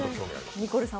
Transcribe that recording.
ニコルさん